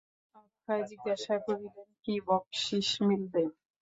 অক্ষয় জিজ্ঞাসা করিলেন, কী বকশিশ মিলবে?